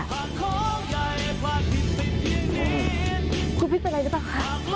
คุณพริกเป็นไรหรือเปล่าคะ